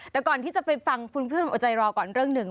แต่ก่อนที่จะไปฟังคุณผู้ชมเอาใจรอก่อนเรื่องหนึ่ง